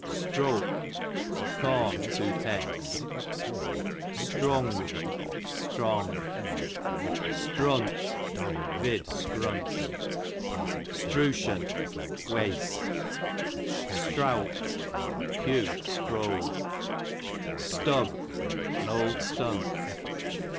Stroke, of corn two pecks. Strung, strong. Strunt, vid. scrunt. Strushon, waste. Strowlt, q. strolled. Stub, an old stump.